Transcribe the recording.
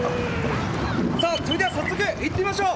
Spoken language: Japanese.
それでは早速、いってみましょう。